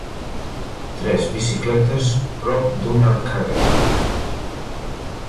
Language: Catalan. Tres bicicletes prop d'una arcada.